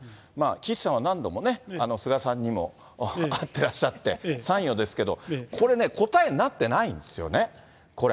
岸さんは何度もね、菅さんにも会ってらっしゃって、参与ですけど、これね、答えになってないんですよね、これ。